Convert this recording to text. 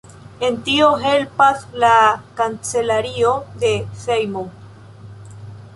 En tio helpas la kancelario de Sejmo.